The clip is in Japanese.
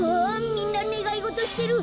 みんなねがいごとしてる！